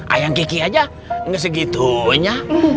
ayang kiki aja gak segitunya